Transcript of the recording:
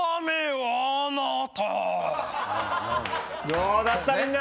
どうだったみんな！